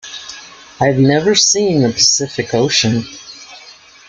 I've never seen the Pacific Ocean.